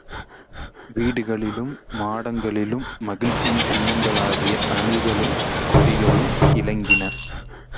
வீடுகளிலும் மாடங்களிலும், மகிழ்ச்சியின் சின்னங்களாகிய அணிகளும் கொடிகளும் இலங்கின.